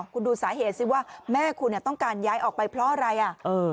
คุณดูสาเหตุสิว่าแม่คุณต้องการย้ายออกไปเพราะอะไรอ่ะ